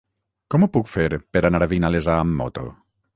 Com ho puc fer per anar a Vinalesa amb moto?